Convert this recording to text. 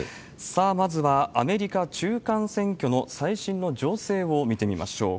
さあ、まずはアメリカ中間選挙の最新の情勢を見てみましょう。